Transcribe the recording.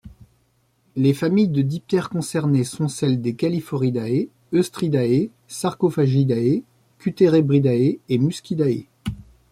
Les familles de diptères concernées sont celles des Calliphoridae, Oestridae, Sarcophagidae, Cuterebridae et Muscidae.